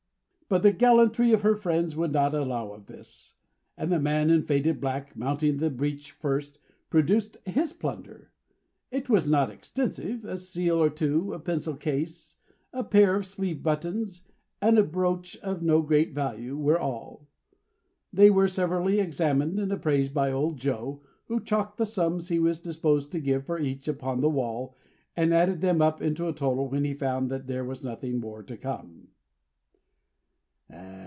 But the gallantry of her friends would not allow of this; and the man in faded black, mounting the breach first, produced his plunder. It was not extensive. A seal or two, a pencil case, a pair of sleeve buttons, and a brooch of no great value, were all. They were severally examined and appraised by old Joe, who chalked the sums he was disposed to give for each, upon the wall, and added them up into a total when he found that there was nothing more to come.